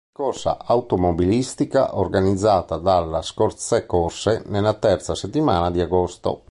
Corsa Automobilistica organizzata dalla "Scorzè Corse" nella terza settimana di agosto.